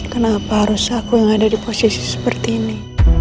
kenapa harus aku yang ada di posisi seperti ini